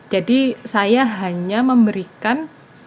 jadi saya hanya memberikan